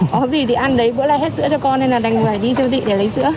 có gì thì ăn đấy bữa nay hết sữa cho con nên là đành về đi siêu thị để lấy sữa